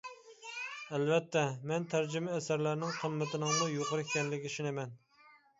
ئەلۋەتتە، مەن تەرجىمە ئەسەرلەرنىڭ قىممىتىنىڭمۇ يۇقىرى ئىكەنلىكىگە ئىشىنىمەن.